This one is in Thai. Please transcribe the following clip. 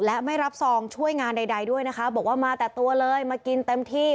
และไม่รับซองช่วยงานใดด้วยนะคะบอกว่ามาแต่ตัวเลยมากินเต็มที่